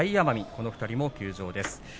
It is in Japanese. この２人も休場です。